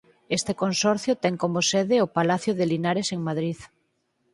Este consorcio ten como sede o Palacio de Linares en Madrid.